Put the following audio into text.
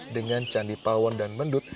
dengan candi pawon dan mendut